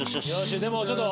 でもちょっと。